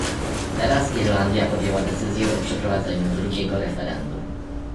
Teraz Irlandia podjęła decyzję o przeprowadzeniu drugiego referendum